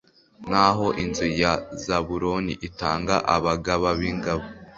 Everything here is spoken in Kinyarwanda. naho inzu ya zabuloni itanga abagaba b'ingabo